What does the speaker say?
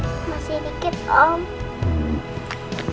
masih dikit om